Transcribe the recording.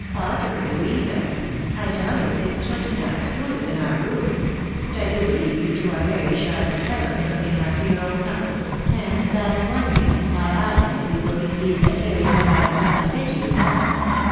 " Hotter, Louisa ! I tell you it's twenty times cooler than our room ; but I do believe you two are very sharp and clever in look ing after your own comforts, and that's one reason why I think you will be pleased at hearing what I am come to say to you now."